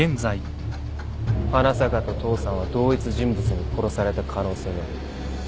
花坂と父さんは同一人物に殺された可能性がある。